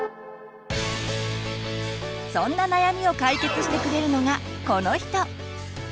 そんな悩みを解決してくれるのがこの人！